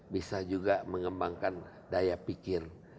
bisa juga mengembangkan daya pikir